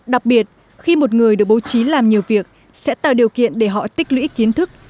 đặc biệt khi một người được bố trí làm nhiều việc sẽ tạo điều kiện để họ tích lũy kiến thức